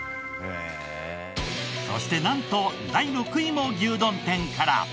そしてなんと第６位も牛丼店から。